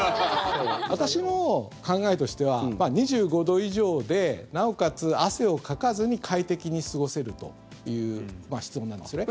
私の考えとしては２５度以上でなおかつ汗をかかずに快適に過ごせるという室温なんですね。